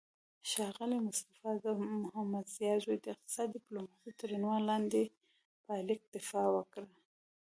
ښاغلی مصطفی د محمدضیا زوی د اقتصادي ډیپلوماسي تر عنوان لاندې پایلیک دفاع وکړه